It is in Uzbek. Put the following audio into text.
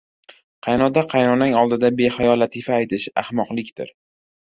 – qaynota-qaynonang oldida behayo latifa aytish ahmoqlikdir.